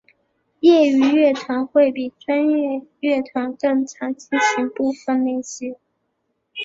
业余乐团会比专业乐团更常进行分部练习。